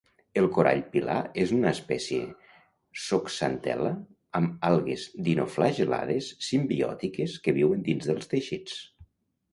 El corall pilar és una espècie zooxantel·la amb algues dinoflagel·lades simbiòtiques que viuen dins dels teixits.